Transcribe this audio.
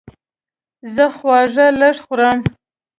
زه خواږه لږ خورم.